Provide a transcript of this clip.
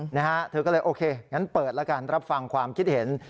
นะฮะเธอก็เลยโอเคงั้นเปิดแล้วกันรับฟังความคิดเห็น